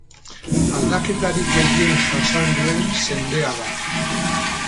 Aldaketarik gehien jasan duen zendea da.